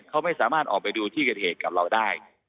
เขาไม่สามารถออกไปดูที่เกิดเหตุกับเราได้